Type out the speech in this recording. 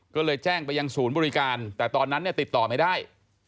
ก็เลยแจ้งไปยังศูนย์บริการแต่ตอนนั้นเนี่ยติดต่อไม่ได้